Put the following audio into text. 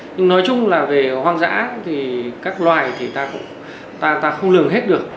nói chung là về hoang dã thì các loài thì ta không lường hết được